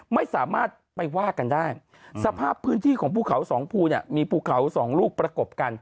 ไม่สามารถไปว่ากันได้สภาพพื้นที่ของภูเขาสองภูเนี่ยมีภูเขาสองลูกประกบกัน